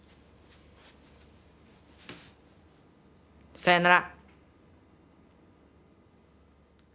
さよなら。